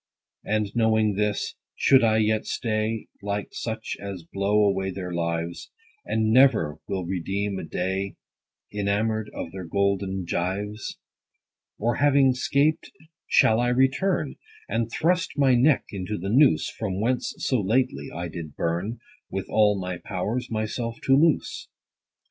20 And, knowing this, should I yet stay, Like such as blow away their lives, And never will redeem a day, Enamour'd of their golden gyves ? Or having 'scaped shall I return, And thrust my neck into the noose, From whence so lately, I did burn, With all my powers, myself to loose